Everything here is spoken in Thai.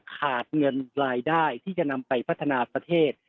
ขาดเงินรายได้ที่จะนำไปพัฒนาประเทศ